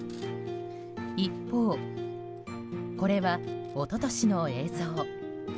一方、これは一昨年の映像。